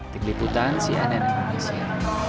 tinggiputan cnn indonesia